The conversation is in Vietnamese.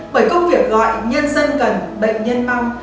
bởi công việc gọi nhân dân cần bệnh nhân mong